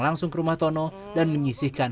langsung ke rumah tono dan menyisihkan